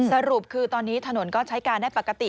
สรุปคือตอนนี้ถนนก็ใช้การได้ปกติ